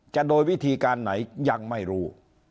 โดยวิธีการไหนยังไม่รู้